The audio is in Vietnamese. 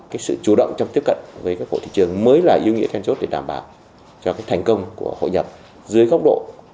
cái sự chủ động trong tiếp cận với các bộ thị trường mới là ý nghĩa then chốt để đảm bảo cho cái thành công của hội nhập dưới góc độ